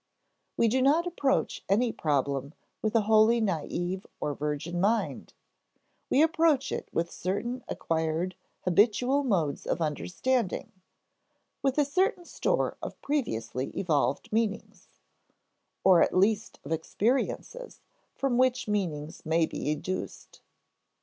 We do not approach any problem with a wholly naïve or virgin mind; we approach it with certain acquired habitual modes of understanding, with a certain store of previously evolved meanings, or at least of experiences from which meanings may be educed.